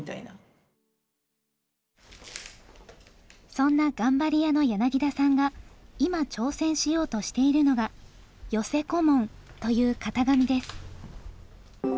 そんな頑張り屋の柳田さんが今挑戦しようとしているのが寄せ小紋という型紙です。